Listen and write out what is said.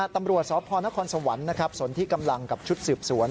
ตำรวจสพนครสวรรค์สนที่กำลังกับชุดสืบสวน